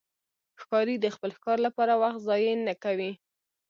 ښکاري د خپل ښکار لپاره وخت ضایع نه کوي.